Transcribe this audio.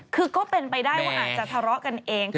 คือก็เป็นไปได้ว่าอาจจะทะเลาะกันเอง